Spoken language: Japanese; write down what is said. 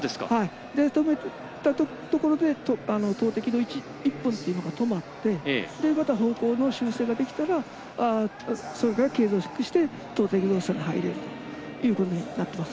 止めたところで投てきが１歩目で止まってまた方向の修正ができたらそれから継続して投てき動作に入れるということになっています。